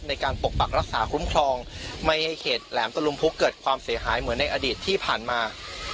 ปกปักรักษาคุ้มครองไม่ให้เขตแหลมตะลุมพุกเกิดความเสียหายเหมือนในอดีตที่ผ่านมา